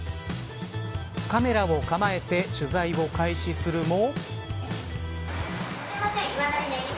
カメラを構えて取材を開始するも。